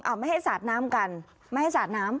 เอาไม่ให้สาดน้ำกันไม่ให้สาดน้ำ